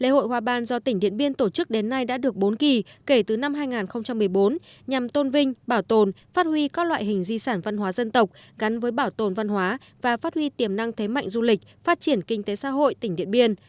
lễ hội hoa ban do tỉnh điện biên tổ chức đến nay đã được bốn kỳ kể từ năm hai nghìn một mươi bốn nhằm tôn vinh bảo tồn phát huy các loại hình di sản văn hóa dân tộc gắn với bảo tồn văn hóa và phát huy tiềm năng thế mạnh du lịch phát triển kinh tế xã hội tỉnh điện biên